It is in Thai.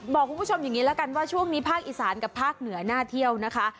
บอกคุณผู้ชมอย่างนี้แล้วกันว่าช่วงนี้ภาคอีสานกับภาคเหนือน่าเที่ยวนะคะ